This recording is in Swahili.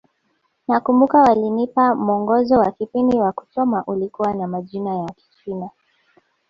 Nakumbuka walinipa mwongozo wa kipindi wa kusoma ulikuwa na majina ya Kichina